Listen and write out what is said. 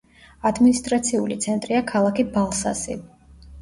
ადმინისტრაციული ცენტრია ქალაქი ბალსასი.